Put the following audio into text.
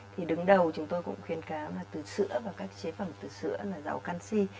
thì đứng đầu chúng tôi cũng khuyên cám là từ sữa và các chế phẩm từ sữa là giàu canxi